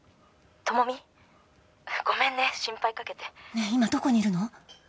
「朋美ごめんね心配かけて」ねえ今どこにいるの？